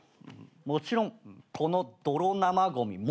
もちろんこの泥生ごみもだ。